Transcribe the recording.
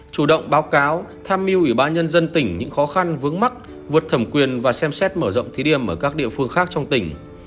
chủ động báo cáo tham mưu ủy ban nhân dân tỉnh những khó khăn vướng mắt vượt thẩm quyền và xem xét mở rộng thí điểm ở các địa phương khác trong tỉnh